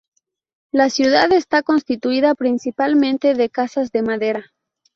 La ciudad está constituida principalmente de casas de madera.